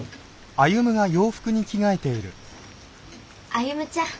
歩ちゃん